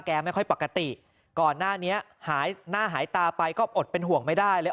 ไม่ค่อยปกติก่อนหน้านี้หายหน้าหายตาไปก็อดเป็นห่วงไม่ได้เลย